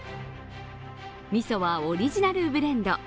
みそは、オリジナルブレンド。